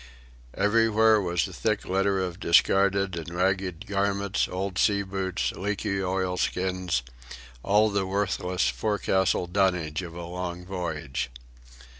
Everywhere was a thick litter of discarded and ragged garments, old sea boots, leaky oilskins—all the worthless forecastle dunnage of a long voyage.